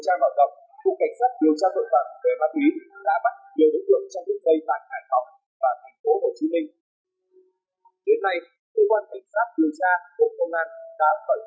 sau đó đối chiến trụng tốc với số cd